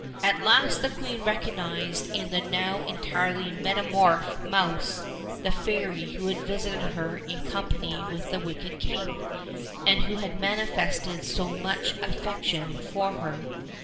At last the queen recognized in the now entirely metamorphosed mouse, the fairy who had visited her in company with the wicked king, and who had manifested so much affec tion for her.